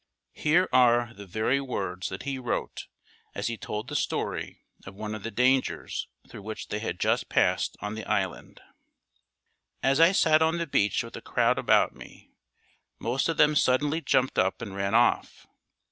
Here are the very words that he wrote as he told the story of one of the dangers through which they had just passed on the island: "As I sat on the beach with a crowd about me, most of them suddenly jumped up and ran off.